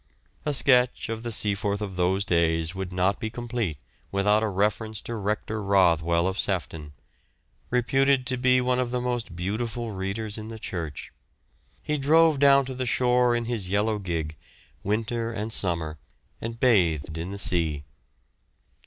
A sketch of the Seaforth of those days would not be complete without a reference to Rector Rothwell of Sefton, reputed to be one of the most beautiful readers in the Church; he drove down to the shore in his yellow gig, winter and summer, and bathed in the sea.